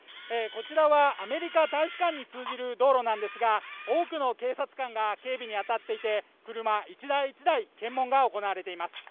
こちらはアメリカ大使館に通じる道路なんですが、多くの警察官が警備に当たっていて、車１台１台、検問が行われています。